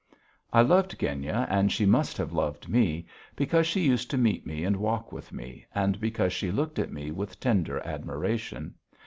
I loved Genya, and she must have loved me, because she used to meet me and walk with me, and because she looked at me with tender admiration.